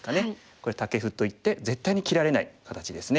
これタケフといって絶対に切られない形ですね。